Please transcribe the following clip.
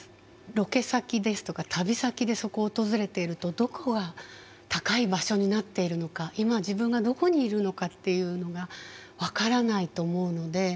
ロケ先ですとか旅先でそこを訪れているとどこが高い場所になっているのか今自分がどこにいるのかっていうのが分からないと思うので。